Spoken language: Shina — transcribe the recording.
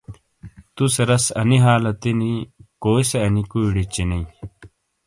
توسے رس انی حالتی نی کوسے انی کویئ ڑے چینئ۔